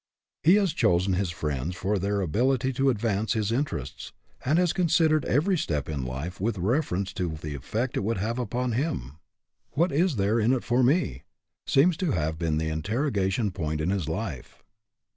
He has chosen his friends for their ability to advance his inter ests, and has considered every step in life with reference to the effect it would have upon him. " What is there in it for me ?" seems to have been the interrogation point in his life.